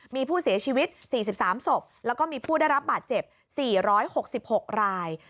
มีผู้เสียชีวิต๔๓ศพแล้วก็มีผู้ได้รับบาดเจ็บ๔๖๖ราย